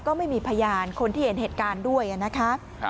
ก็ไม่มีพยานคนที่เห็นเหตุการณ์ด้วยนะคะ